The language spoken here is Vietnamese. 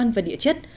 văn và địa chất